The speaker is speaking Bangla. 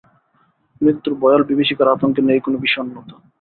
মৃত্যুর ভয়াল বিভীষিকার আতঙ্কে নেই কোন বিষন্নতা।